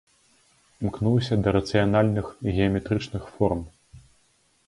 Імкнуўся да рацыянальных, геаметрычных форм.